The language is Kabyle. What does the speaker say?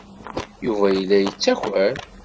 Yuba yella yettaker.